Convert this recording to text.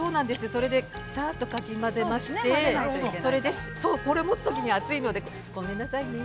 それで、さあっとかき混ぜまして、これを持つときに熱いので、ごめんなさいね。